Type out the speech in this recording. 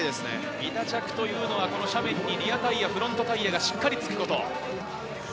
ビタ着というのは、この斜面にリアタイヤ、フロントタイヤがしっかりつくこと。